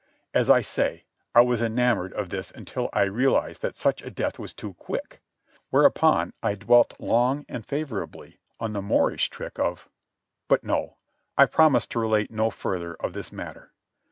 As I say, I was enamoured of this until I realized that such a death was too quick, whereupon I dwelt long and favourably on the Moorish trick of—but no, I promised to relate no further of this matter.